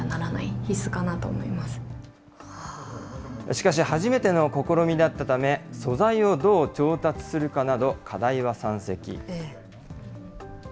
しかし、初めての試みだったため、素材をどう調達するかなど、課題は山積。